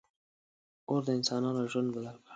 • اور د انسانانو ژوند بدل کړ.